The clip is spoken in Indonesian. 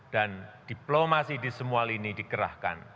dan diplomasi di semua lini dikerahkan